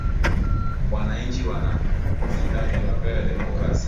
wananchi wana wanahitaji wapewe demokrasi